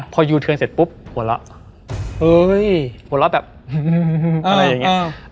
พอยูเทิร์นเสร็จปุ๊บหัวเราะเอ้ยหัวเราะแบบอะไรอย่างนี้